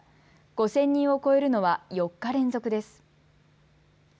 ５０００人を超えるのは４日連続です。